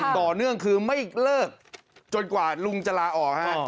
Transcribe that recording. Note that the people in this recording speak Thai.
ต่อเนื่องคือไม่เลิกจนกว่าลุงจะลาออกฮะ